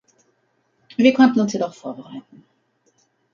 Wir konnten uns jedoch vorbereiten.